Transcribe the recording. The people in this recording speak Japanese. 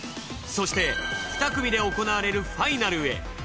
そして２組で行われるファイナルへ。